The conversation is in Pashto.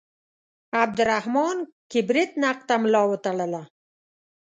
عبدالرحمان کبریت نقد ته ملا وتړله.